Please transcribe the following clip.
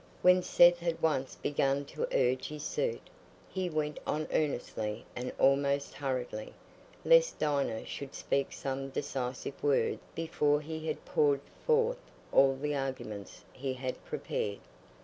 When Seth had once begun to urge his suit, he went on earnestly and almost hurriedly, lest Dinah should speak some decisive word before he had poured forth all the arguments he had prepared.